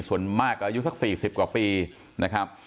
ส่วนมากอายุสัก๔๐กว่าปีนะครับ